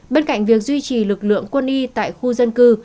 bên cạnh việc duy trì lực lượng quân y tại khu dân cư